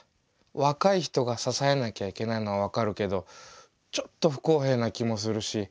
若い人が支えなきゃいけないのはわかるけどちょっと不公平な気もするし。